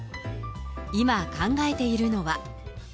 今、考えているのは。